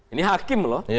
ini hakim loh